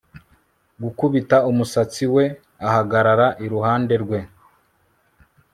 Gukubita umusatsi we ahagarara iruhande rwe